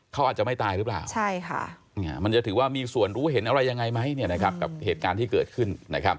เขาอาจจะไม่ตายหรือเปล่ามันจะถือว่ามีส่วนรู้เห็นอะไรยังไงไหมกับเหตุการณ์ที่เกิดขึ้น